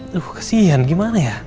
lho kesian gimana ya